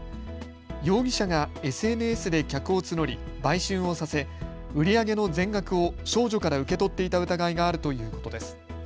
容疑者がＳＮＳで客を募り売春をさせ売り上げの全額を少女から受け取っていた疑いがあるということです。